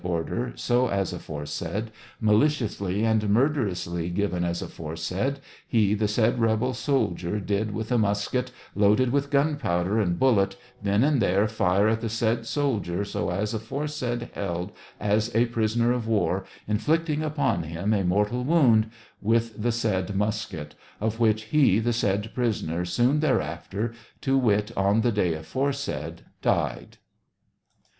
order so as aforesaid, maliciously and murderously given as aforesaid, ne, the said rebel soldier, did, with a musket loaded with gunpowder and bullet, then and there fire at the said soldier so as aforesaid held as a prisoner of war, inflicting upon him a mortal wound with the said musket, of which be, the said prisoner, soon thereafter, to wit, on tbe day aforesaid, died.